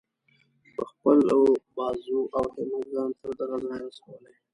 په خپل بازو او همت ځان تر دغه ځایه رسولی.